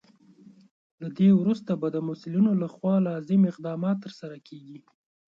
له دې وروسته به د مسولینو لخوا لازم اقدامات ترسره کیږي.